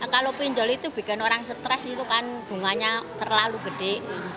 kalau pinjol itu bikin orang stres itu kan bunganya terlalu gede